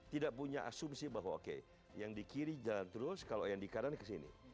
tidak punya asumsi bahwa oke yang di kiri jalan terus kalau yang di kanan kesini